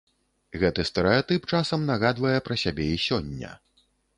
Гэты стэрэатып часам нагадвае пра сябе і сёння.